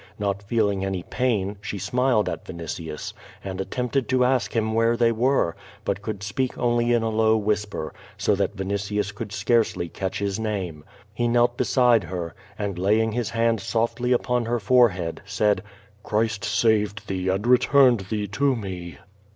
Not feeling any pain, she smiled at Yinitius and attempted to ask him where they were, but could speak only in a low whisper, so that Vinitius could scarcely catch his name. He knelt beside her, and, laying his hand softly upon her forehead, said: "Christ.saved thee and returned thee to me!